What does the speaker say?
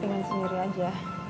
dengan sendiri aja